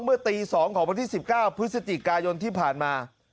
เมื่อตี๒ของวันที่๑๙พฤศจิกายนที่ผ่านมา